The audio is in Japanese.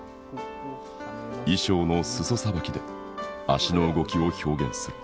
衣裳の裾さばきで足の動きを表現する。